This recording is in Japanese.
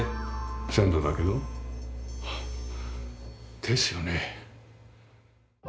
先祖だけど。ですよね。